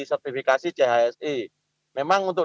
sertifikasi chsi memang untuk